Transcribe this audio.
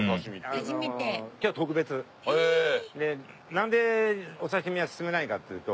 なんでお刺身は勧めないかっていうと。